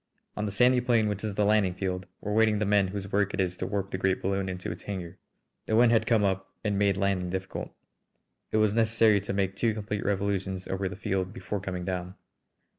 On the sandy plain which is the landing field were waiting the men whose work it is to warp the great balloon into its hangar. The wind had come up and made landing difficult. It was necessary to make two complete revolutions over the field before coming down.